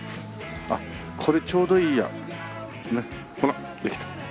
あっこれちょうどいいや。